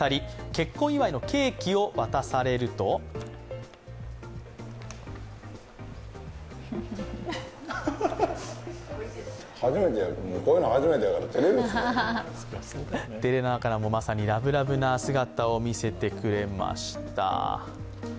結婚祝のケーキを渡されると照れながらも、ラブラブな姿を見せてくれました。